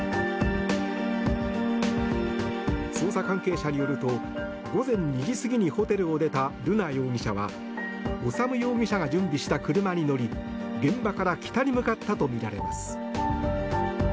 捜査関係者によると午前２時過ぎにホテルを出た瑠奈容疑者は修容疑者が準備した車に乗り現場から北に向かったとみられます。